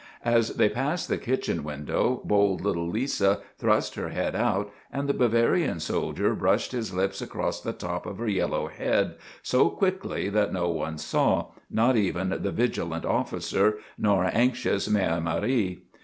As they passed the kitchen window bold little Lisa thrust her head out, and the Bavarian soldier brushed his lips across the top of her yellow head so quickly that no one saw, not even the vigilant officer nor anxious Mère Marie.